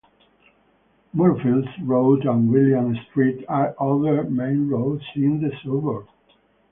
Moorefields Road and William Street are other main roads in the suburb.